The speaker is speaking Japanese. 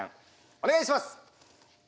お願いします！